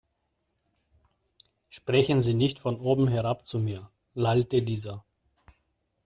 Sprechen Sie nicht von oben herab zu mir, lallte dieser.